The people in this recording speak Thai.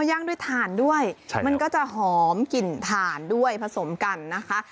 ย่างด้วยถ่านด้วยมันก็จะหอมกลิ่นถ่านด้วยผสมกันนะคะ